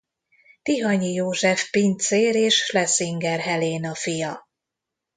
Tihanyi József pincér és Schlesinger Heléna fia.